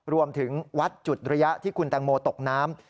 รวมถึงวัดจุดระยะที่คุณแตงโมตกน้ำ